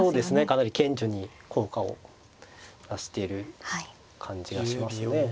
かなり顕著に効果を出している感じがしますね。